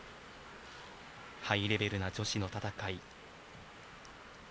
ハイレベルな女子の戦い。